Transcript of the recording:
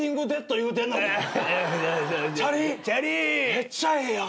めっちゃええやん。